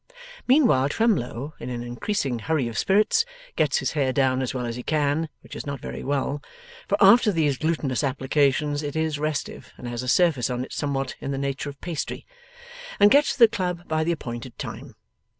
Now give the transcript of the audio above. Meanwhile Twemlow, in an increasing hurry of spirits, gets his hair down as well as he can which is not very well; for, after these glutinous applications it is restive, and has a surface on it somewhat in the nature of pastry and gets to the club by the appointed time.